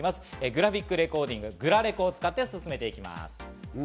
グラフィックレコーディング、グラレコを使って進めていきます。